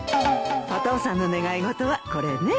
お父さんの願い事はこれね。